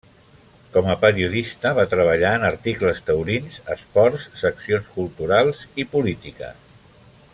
Com a periodista va treballar en articles taurins, esports, seccions culturals i polítiques.